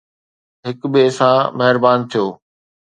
هڪ ٻئي سان مهربان ٿيو